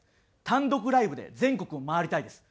「単独ライブで全国を回りたいです」。